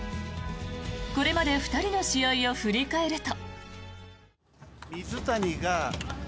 これまで２人の試合を振り返ると。